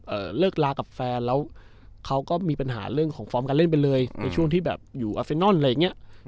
เลิกลากับแฟนแล้วเขาก็มีปัญหาเรื่องของฟอร์มการเล่นไปเลยในช่วงที่แบบอยู่อาเซนอนอะไรอย่างเงี้ย